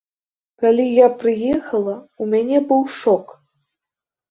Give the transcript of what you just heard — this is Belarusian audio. Калі я прыехала, у мяне быў шок.